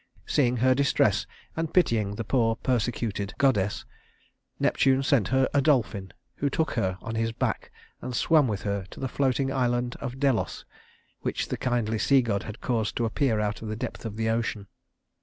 Seeing her distress, and pitying the poor persecuted goddess, Neptune sent her a dolphin, who took her on his back and swam with her to the floating island of Delos, which the kindly sea god had caused to appear out of the depth of the ocean.